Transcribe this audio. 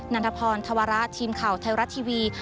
ันทพรธวระทีมข่าวไทยรัฐทีวี